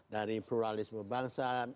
dari pluralisme bangsa